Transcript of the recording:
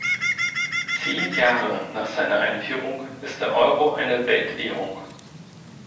Zehn Jahre nach seiner Einführung ist der Euro eine Weltwährung.